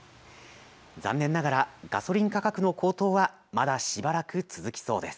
残念ながらガソリン価格の高騰はまだしばらく続きそうです。